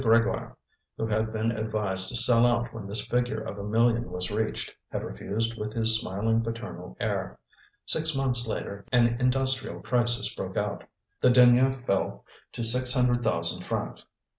Grégoire, who had been advised to sell out when this figure of a million was reached, had refused with his smiling paternal air. Six months later an industrial crisis broke out; the denier fell to six hundred thousand francs.